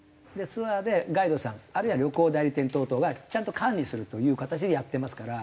ツアーでガイドさんあるいは旅行代理店等々がちゃんと管理するという形でやってますから。